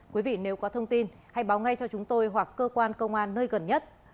quý vị nếu có thông tin hãy báo ngay cho chúng tôi hoặc cơ quan công an nơi gần nhất